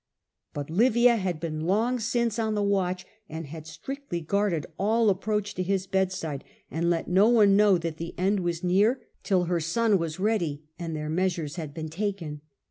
But Livia had been long since on the watch, had strictly guarded all approach to his bed Prccautions know that the end was of Livia. near till her son was ready and their measures had been taken.